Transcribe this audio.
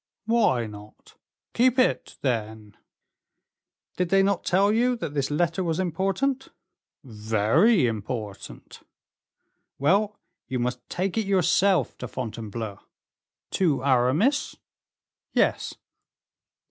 "Why not? Keep it, then?" "Did they not tell you that this letter was important?" "Very important." "Well, you must take it yourself to Fontainebleau." "To Aramis?" "Yes."